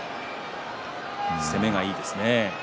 攻めがいいですね。